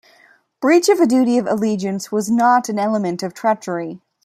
Breach of a duty of allegiance was not an element of treachery.